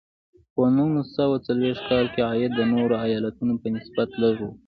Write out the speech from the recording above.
په نولس سوه څلویښت کال کې عاید د نورو ایالتونو په نسبت لږ و.